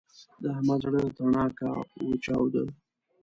د احمد د زړه تڼاکه وچاوده.